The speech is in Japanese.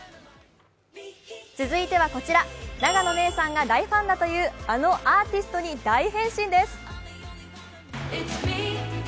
続いてはこちら、永野芽郁さんが大ファンだというあのアーティストに大変身です。